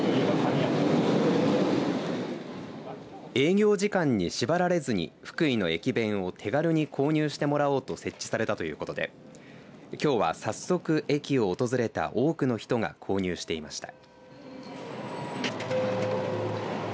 営業時間に縛られずに福井の駅弁を手軽に購入してもらおうと設置されたということできょうは早速駅を訪れた多くの人が購入していました。